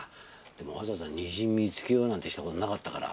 でもわざわざ虹見つけようなんてしたことなかったから。